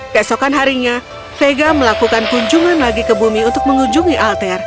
keesokan harinya vega melakukan kunjungan lagi ke bumi untuk mengunjungi alter